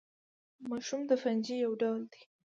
مشروم د فنجي یو ډول دی